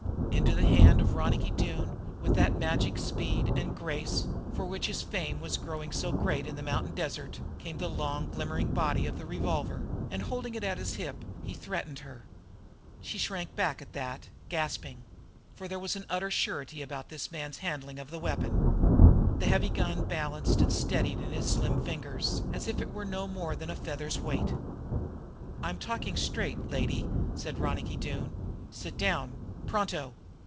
Into the hand of Ronicky Doone, with that magic speed and grace for which his fame was growing so great in the mountain desert, came the long, glimmering body of the revolver, and, holding it at the hip, he threatened her. She shrank back at that, gasping. For there was an utter surety about this man's handling of the weapon. The heavy gun balanced and steadied in his slim fingers, as if it were no more than a feather's weight. "I'm talking straight, lady," said Ronicky Doone. "Sit down pronto!"